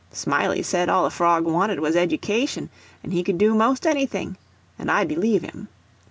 Smiley said all a frog wanted was education, and he could do 'most anything—and I believe him.